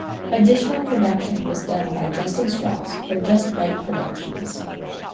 Additional production was done by Justin Strauss for Just Right Productions.